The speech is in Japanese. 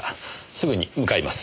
すぐに向かいます。